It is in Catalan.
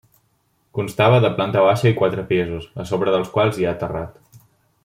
Constava de planta baixa i quatre pisos, a sobre dels quals hi ha terrat.